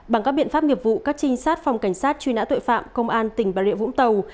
bằng các biện pháp nghiệp vụ các trinh sát phòng cảnh sát truy nã tội phạm công an tỉnh bà rịa vũng tàu